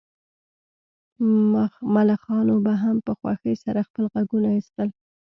ملخانو به هم په خوښۍ سره خپل غږونه ایستل